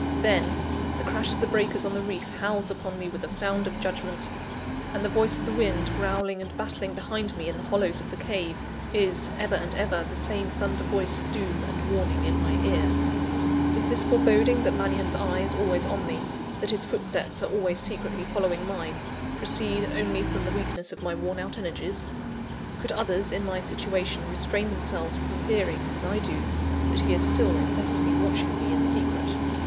Then, the crash of the breakers on the reef howls upon me with a sound of judgment; and the voice of the wind, growling and battling behind me in the hollows of the cave, is, ever and ever, the same thunder voice of doom and warning in my ear. Does this foreboding that Mannion's eye is always on me, that his footsteps are always secretly following mine, proceed only from the weakness of my worn out energies? Could others in my situation restrain themselves from fearing, as I do, that he is still incessantly watching me in secret?